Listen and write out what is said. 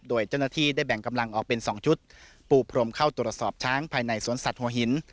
โดยเจ้าหน้าที่ได้แบ่งกำลังออกเป็น๒ชุดปูพรมเข้าตรวจสอบช้างภายในสวนสัตว์หัวหิน